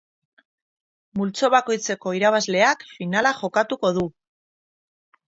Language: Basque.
Multzo bakoitzeko irabazleak finala jokatuko du.